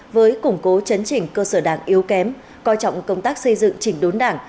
với củng cố chấn chỉnh cơ sở đảng yếu kém coi trọng công tác xây dựng chỉnh đốn đảng